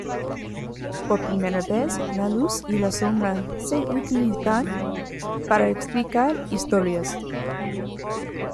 Por primera vez, la luz y la sombra se utilizan para explicar historias.